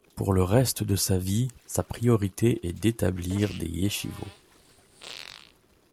Pour le reste de sa vie, sa priorité est d'établir des yeshivot.